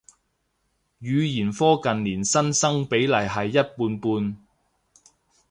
語言科近年新生比例係一半半